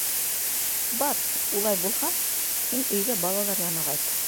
— Бар, улай булһа, һин өйгә балалар янына ҡайт.